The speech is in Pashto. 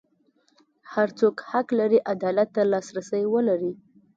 هر څوک حق لري عدالت ته لاسرسی ولري.